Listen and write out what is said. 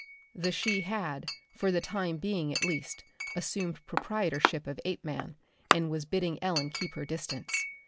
The she had, for the time being at least, assumed proprietorship of Apeman, and was bidding Ellen keep her distance.